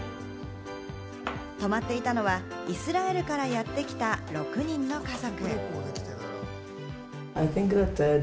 泊まっていたのはイスラエルからやってきた６人の家族。